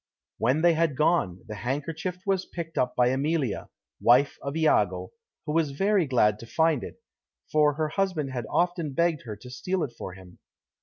When they had gone, the handkerchief was picked up by Emilia, wife of Iago, who was very glad to find it, for her husband had often begged her to steal it for him.